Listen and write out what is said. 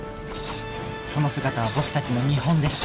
その姿は僕たちの見本です